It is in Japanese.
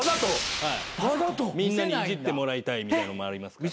みんなにいじってもらいたいみたいのも。